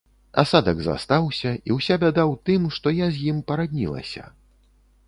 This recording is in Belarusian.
Асадак застаўся і ўся бяда ў тым, што я з ім параднілася.